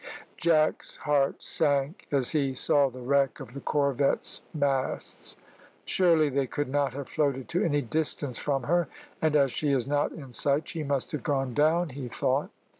Jack's heart sank as he saw the wreck of the corvette's masts. "Surely they could not have floated to any distance from her, and as she is not in sight she must have gone down," he thought.